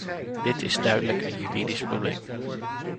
Dit is duidelijk een juridisch probleem.